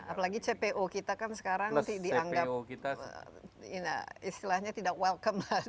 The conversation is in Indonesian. apalagi cpo kita kan sekarang dianggap istilahnya tidak welcome